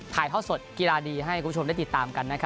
ถ่ายข้าวสดกีฬาดีให้คุณผู้ชมได้ติดตามกันนะครับ